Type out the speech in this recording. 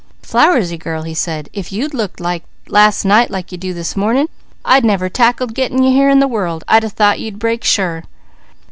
"Flowersy girl," he said, "if you'd looked last night like you do this morning, I'd never tackled getting you here in the world. I'd thought you'd break sure."